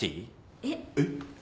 えっ？えっ？